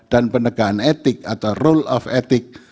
dan penegakan etik atau rule of ethics